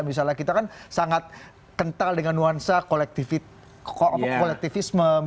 misalnya kita kan sangat kental dengan nuansa kolektifisme